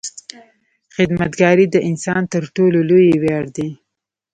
• خدمتګاري د انسان تر ټولو لوی ویاړ دی.